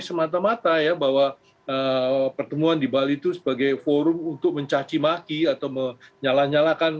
semata mata ya bahwa pertemuan di bali itu sebagai forum untuk mencacimaki atau menyala nyalakan